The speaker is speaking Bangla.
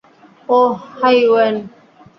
Oh, hi, when!